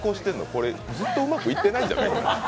これ、ずっとうまくいってないんじゃない？